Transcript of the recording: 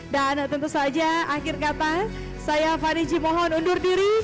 dan tentu saja akhir kata saya fadiji mohon undur diri